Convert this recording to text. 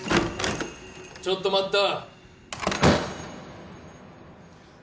・・ちょっと待った。